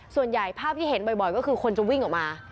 ภาพที่เห็นบ่อยก็คือคนจะวิ่งออกมา